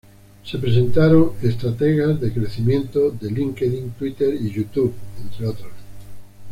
Se presentaron estrategas de crecimiento de LinkedIn, Twitter y YouTube, entre otros.